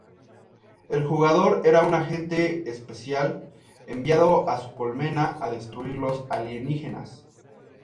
El jugador era un agente especial, enviado a su 'colmena' a destruir los alienígenas.